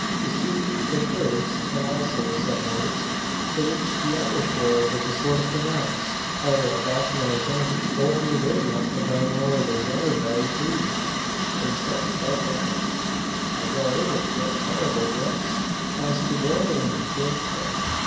"Ye see, the curds, an also some words, the which the Irish war able to sort o' pernounce, arter a fashun o' his own, tolt me they must a been o' the yeller belly breed; an sartint 'bout that much, I war able to gie a tol'able guess as to whar they hed kim from.